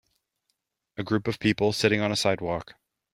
A group of people sitting on a sidewalk.